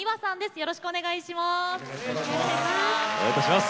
よろしくお願いします。